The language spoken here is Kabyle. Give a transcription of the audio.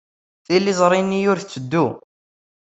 Tiliẓri-nni ur tetteddu.